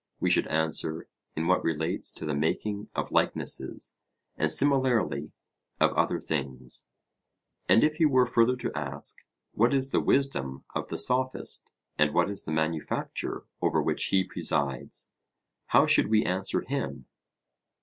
We should answer: In what relates to the making of likenesses, and similarly of other things. And if he were further to ask: What is the wisdom of the Sophist, and what is the manufacture over which he presides? how should we answer him?